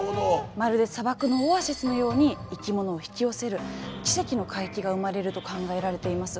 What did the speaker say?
まるで砂漠のオアシスのように生き物を引き寄せる奇跡の海域が生まれると考えられています。